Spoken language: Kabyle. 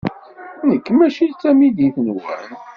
Nekk maci d tamidit-nwent.